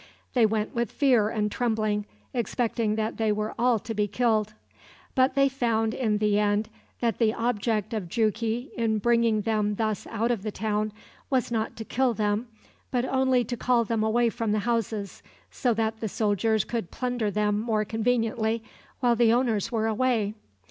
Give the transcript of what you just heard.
They went with fear and trembling, expecting that they were all to be killed. But they found, in the end, that the object of Jughi in bringing them thus out of the town was not to kill them, but only to call them away from the houses, so that the soldiers could plunder them more conveniently while the owners were away.